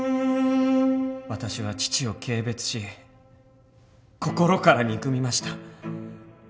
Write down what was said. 私は父を軽蔑し心から憎みました。